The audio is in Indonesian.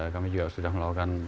kami juga sudah melakukan